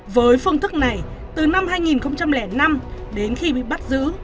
với phương thức này từ năm hai nghìn năm đến khi bị bắt giữ